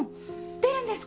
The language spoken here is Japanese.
出るんですか？